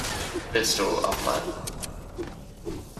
Willst du auch mal?